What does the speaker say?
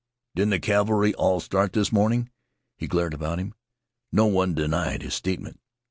Didn't the cavalry all start this morning?" He glared about him. No one denied his statement.